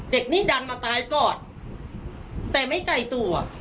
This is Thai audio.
เด็กนี่ดันมาตายก่อนแต่ไม่ไกลตัว